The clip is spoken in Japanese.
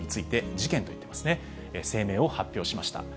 事件といってますね、声明を発表しました。